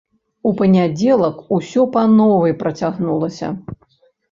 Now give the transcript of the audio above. У панядзелак усё па новай працягнулася.